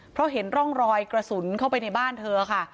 เพราะเห็นร่องรอยกระสุนเข้าไปในบ้านเธอค่ะ